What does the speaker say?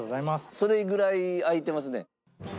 それぐらい空いてますね。